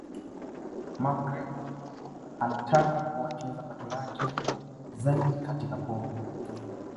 McGregor anataka kuwekeza pato lake zaidi akatika pombe